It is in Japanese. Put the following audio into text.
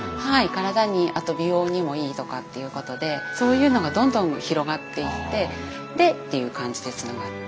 体にあと美容にもいいとかっていうことでそういうのがどんどん広がっていってでっていう感じでつながる。